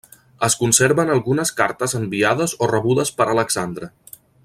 Es conserven algunes cartes enviades o rebudes per Alexandre.